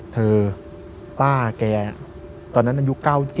ป้าแกตอนนั้นอายุ๙๗